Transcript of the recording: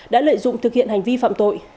đã lợi dụng thực hiện hành vi phạm tội